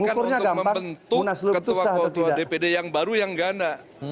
bukan untuk membentuk ketua ketua dpd yang baru yang ganda